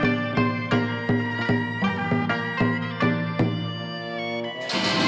วันนี้ข้ามาขอยืมของสำคัญ